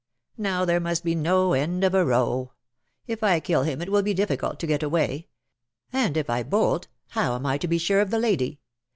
Now there must be no end of a row. If I kill him it will be difficult to get away — and if I bolt, how am I to be sure of the lady